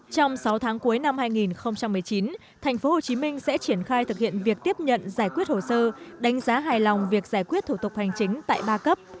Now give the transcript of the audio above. trong sáu tháng cuối năm hai nghìn một mươi chín tp hcm sẽ triển khai thực hiện việc tiếp nhận giải quyết hồ sơ đánh giá hài lòng việc giải quyết thủ tục hành chính tại ba cấp